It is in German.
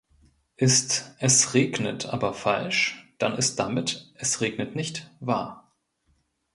Ist „Es regnet“ aber falsch, dann ist damit „Es regnet nicht“ wahr.